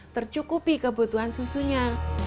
tercukupi kebutuhan susunya